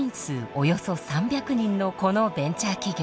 およそ３００人のこのベンチャー企業。